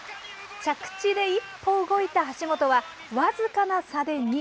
着地で１歩動いた橋本は、僅かな差で２位。